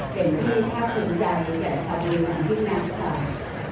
เสมที่แทบคิงใจแต่ทวีวันที่แน่ตาย